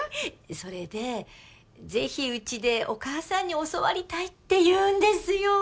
それでぜひうちでお母さんに教わりたいっていうんですよ。